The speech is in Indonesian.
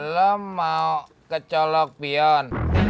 lu mau kecolok pion